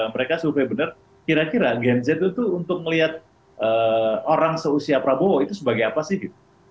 mereka survei benar kira kira gen z itu tuh untuk melihat orang seusia prabowo itu sebagai apa sih gitu